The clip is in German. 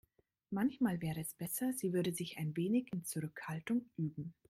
Manchmal wäre es besser, sie würde sich ein wenig in Zurückhaltung üben.